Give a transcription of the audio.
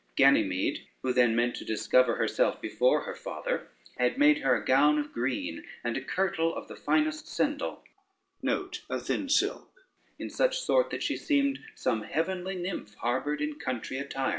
Ganymede, who then meant to discover herself before her father, had made her a gown of green, and a kirtle of the finest sendal, in such sort that she seemed some heavenly nymph harbored in country attire.